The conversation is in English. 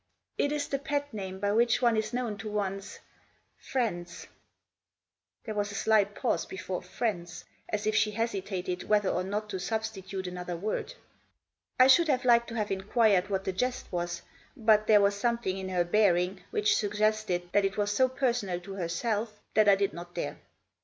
It is the pet name by which one is known to one's — friends !" There was a slight pause before " friends "; as if she hesitated whether or not to substitute another word. I should have liked to have inquired what the jest was, but there was something in her bearing which suggested that it was so personal to herself that I did not dare.